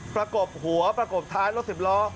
ประกบหัวประกบท้ายรถสิบล้อ